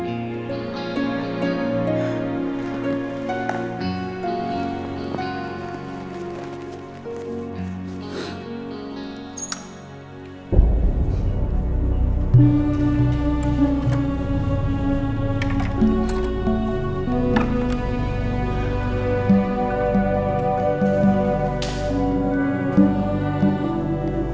yang memiliki pengharapan